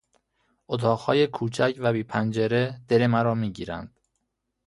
اتاقهای کوچک و بی پنجره دل مرا میگیرند.